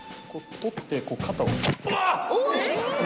取って肩を。